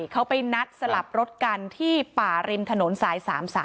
เขาไปนัดสลับรถกันที่ป่าริมถนนสาย๓๓